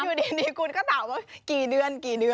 อยู่ดีคุณก็ถามว่ากี่เดือน